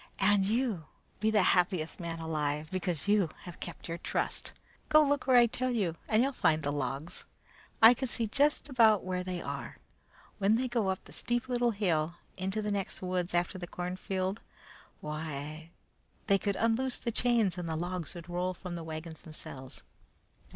"And you be the happiest man alive, because you have kept your trust. Go look where I tell you and you'll find the logs. I can see just about where they are. When they go up that steep little hill, into the next woods after the cornfield, why, they could unloose the chains and the logs would roll from the wagons themselves.